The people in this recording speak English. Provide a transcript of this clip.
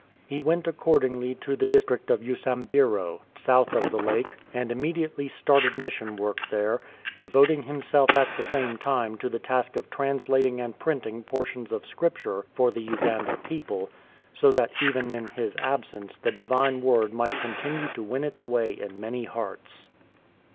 He went accordingly to the district of Usambiro, south of the lake, and immediately started mission work there, devoting himself at the same time to the task of translating and printing portions of Scripture for the Uganda people, so that even in his absence the Divine word might continue to win its way in many hearts.